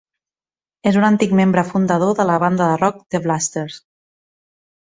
És un antic membre fundador de la banda de rock "The Blasters".